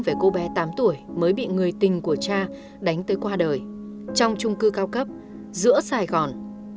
về cô bé tám tuổi mới bị người tình của cha đánh tới qua đời trong trung cư cao cấp giữa sài gòn